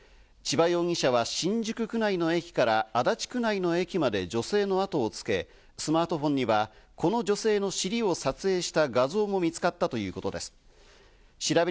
千葉容疑者は新宿区内の駅から足立区内の駅まで女性のあとをつけ、スマートフォンにはこの女性の尻を撮影した画像も見つかったということです。